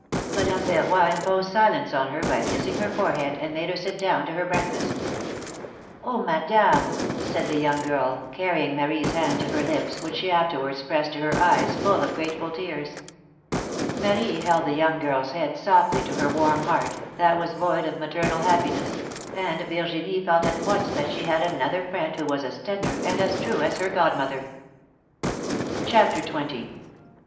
Madame Yerroy imposed silence on her by kissing her forehead, and made her sit down to her breakfast. ^^Oh, Madame! said the young girl, carrying Marie's hand to her lips, which she afterwards pressed to her eyes, full of grateful tears. Marie held the young girl's head softly to her warm heart, that was void of maternal happiness, and Virginie felt at once that she had another friend who was as tender and as true as her godmother. IGO philomI:ne's maeriages. CHAPTER XX.